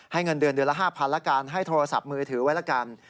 เงินเดือนเดือนละ๕๐๐๐ละกันให้โทรศัพท์มือถือไว้ละกัน